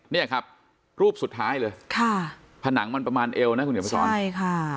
เนี่ยครับรูปสุดท้ายเลยผนังมันประมาณเอวนะคุณเหนียวพระศร